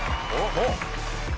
おっ！